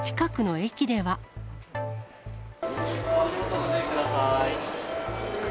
足元、ご注意ください。